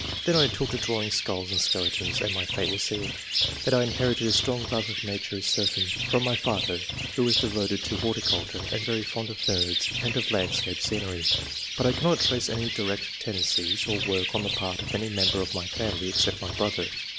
Then I took to drawing skulls and skeletons, and my fate was sealed. That I inherited a strong love of nature is certain, from my father, who was devoted to horticulture and very fond of birds and of land scape scenery ; but I cannot trace any direct tendencies or work on the part of any member of my family, except my brother.